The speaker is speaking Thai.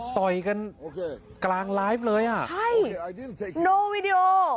ใช่โนวีดีโอ